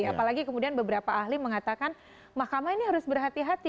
apalagi kemudian beberapa ahli mengatakan mahkamah ini harus berhati hati